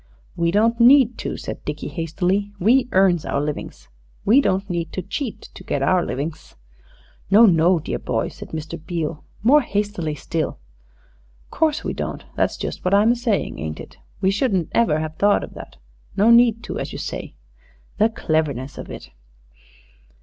"We don't need to," said Dickie hastily. "We earns our livings. We don't need to cheat to get our livings." "No, no, dear boy," said Mr. Beale, more hastily still; "course we don't. That's just what I'm a saying, ain't it? We shouldn't never 'ave thought o' that. No need to, as you say. The cleverness of it!"